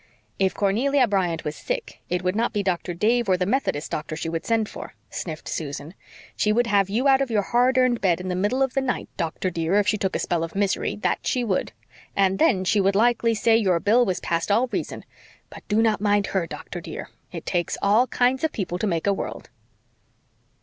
"If Cornelia Bryant was sick, it would not be Doctor Dave or the Methodist doctor she would send for," sniffed Susan. "She would have you out of your hard earned bed in the middle of the night, doctor, dear, if she took a spell of misery, that she would. And then she would likely say your bill was past all reason. But do not mind her, doctor, dear. It takes all kinds of people to make a world."